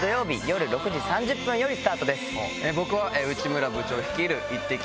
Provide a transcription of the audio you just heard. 僕は内村部長率いるイッテＱ！